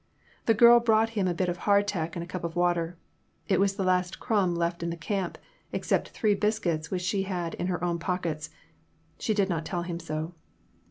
The girl brought him a bit of hard tack and a cup of water. It was the last crumb left in the camp, except three biscuits which she had in her own pockets. She did not tell him so.